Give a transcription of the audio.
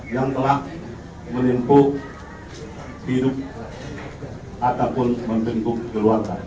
yang telah menimbul hidup ataupun menimbul keluarga